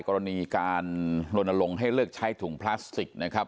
กรณีการลนลงให้เลิกใช้ถุงพลาสติกนะครับ